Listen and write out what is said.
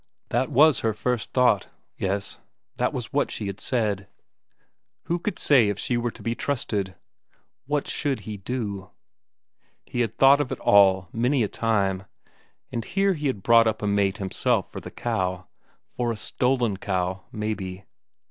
That was her first thought, yes. That was what she had said; who could say if she were to be trusted what should he do? He had thought of it all many a time. And here he had brought up a mate himself for the cow for a stolen cow, maybe!